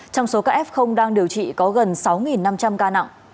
trong số các f đang điều trị có gần sáu năm trăm linh ca nặng